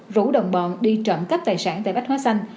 rủ đồng bọn đi trộm cắp tài sản tại bách hóa xanh